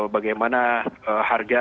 bagaimana harga tahun depan itu juga